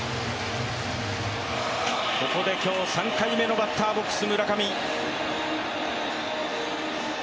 ここで今日３回目のバッターボックス、村上。